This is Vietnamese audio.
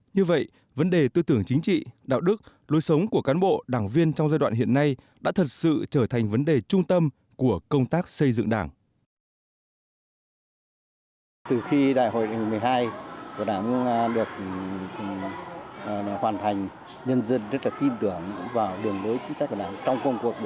như vậy vấn đề tư tưởng chính trị đạo đức lối sống của cán bộ đảng viên trong giai đoạn hiện nay đã thật sự trở thành vấn đề trung tâm của công tác xây dựng đảng